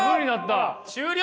終了！